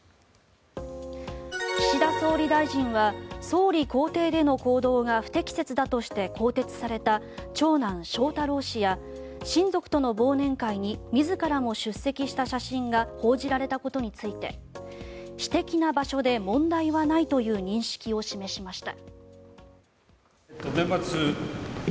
岸田総理大臣は総理公邸での行動が不適切だとして更迭された長男・翔太郎氏や親族との忘年会に自らも出席した写真が報じられたことについて私的な場所で問題はないという認識を示しました。